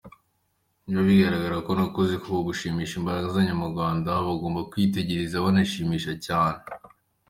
Niba bigaragara ko nakoze koko, gushimisha imbaga y'abanyarwanda bagenda batwegereza byanshimisha cyane.